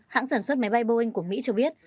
hãng sản xuất máy bay boeing của mỹ cho biết